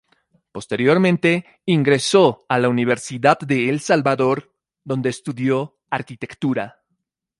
Posteriormente ingresó a la Universidad de El Salvador donde estudió arquitectura.